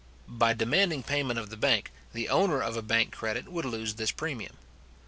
By demanding payment of the bank, the owner of a bank credit would lose this premium.